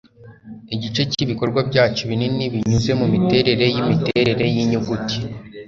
igice cyibikorwa byacu binini binyuze mumiterere yimiterere yinyuguti